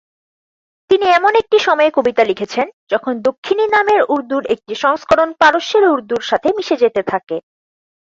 তিনি এমন একটি সময়ে কবিতা লিখেছেন যখন দক্ষিণী নামে উর্দুর একটি সংস্করণ পারস্যের উর্দুর সাথে মিশে যেতে থাকে।